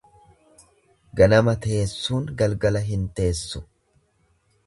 Ganama teessuun galgala hin teessu.